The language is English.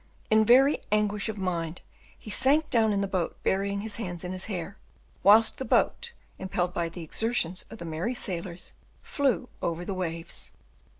In very anguish of mind, he sank down in the boat, burying his hands in his hair, whilst the boat, impelled by the exertions of the merry sailors, flew over the waves.